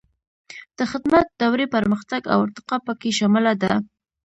د خدمت دورې پرمختګ او ارتقا پکې شامله ده.